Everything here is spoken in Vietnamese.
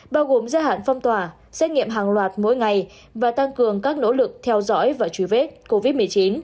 bao gồm gia hạn phong tỏa xét nghiệm hàng loạt mỗi ngày và tăng cường các nỗ lực theo dõi và truy vết covid một mươi chín